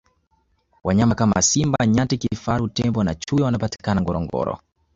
wanyama kama simba nyati vifaru tembo na chui wanapatikana ngorongoro